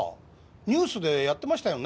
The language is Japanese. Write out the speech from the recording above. ニュースでやってましたよね？